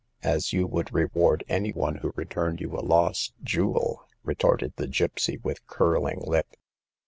" As you would reward any one who returned you a lost jewel !" retorted the gypsy, with curling lip.